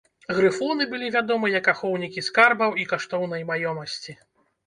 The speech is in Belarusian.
Грыфоны былі вядомы як ахоўнікі скарбаў і каштоўнай маёмасці.